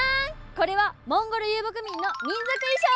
これはモンゴル遊牧民の民族衣装です。